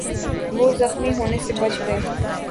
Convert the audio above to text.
وہ زخمی ہونے سے بچ گئے